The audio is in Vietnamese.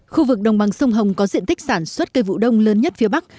khu vực đồng bằng sông hồng có diện tích sản xuất cây vụ đông lớn nhất phía bắc